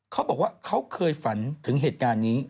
เขาบอกว่าเขาเคยฝันถึงเหตุการณ์นี้